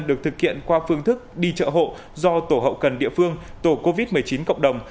được thực hiện qua phương thức đi chợ hộ do tổ hậu cần địa phương tổ covid một mươi chín cộng đồng